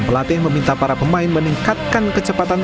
pelatih meminta para pemain meningkatkan kecepatan